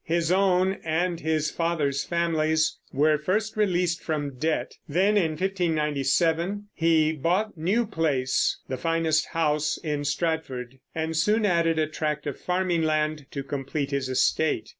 His own and his father's families were first released from debt; then, in 1597, he bought New Place, the finest house in Stratford, and soon added a tract of farming land to complete his estate.